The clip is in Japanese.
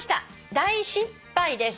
大失敗です」